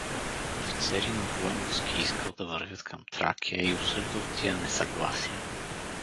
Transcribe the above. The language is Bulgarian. Офицеринът Войновски искал да вървят към Тракия и осъждал тия несъгласия.